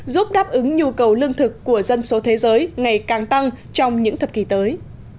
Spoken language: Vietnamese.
giúp đáp ứng nhu cầu lương thực của dân số thế giới ngày càng tăng trong những thập kỷ tới